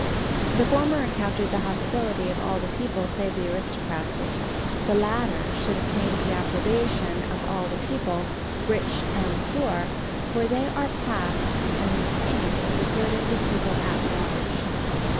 The former encountered the hostility of all the people save the aristocracy; the latter should obtain the approbation of all the people, rich and poor, for they are passed and maintained for the good of the people at large.